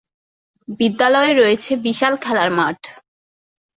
বিদ্যালয়ে রয়েছে বিশাল খেলার মাঠ।